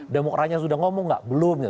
demokratnya sudah ngomong nggak belum